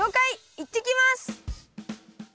いってきます！